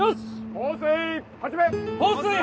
放水始め！